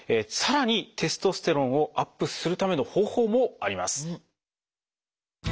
さらにテストステロンをアップするための方法もあります。